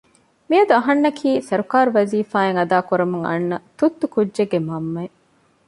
މިއަދު އަހަންނަކީ ސަރުކާރު ވަޒިފާ އެއް އަދާ ކުރަމުން އަންނަ ތުއްތު ކުއްޖެއްގެ މަންމައެއް